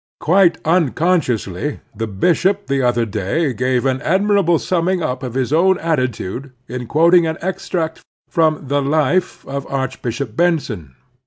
Quite unconsciotisly the bishop the other day gave an admirable summing up of his own atti tude in quoting an extract from the "Life" of Archbishop Benson.